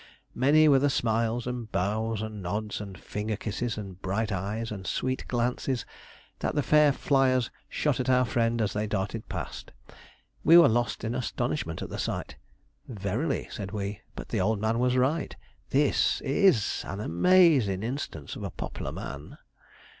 Many were the smiles, and bows, and nods, and finger kisses, and bright eyes, and sweet glances, that the fair flyers shot at our friend as they darted past. We were lost in astonishment at the sight. 'Verily,' said we, 'but the old man was right. This is an am_aa_zin' instance of a pop'lar man.'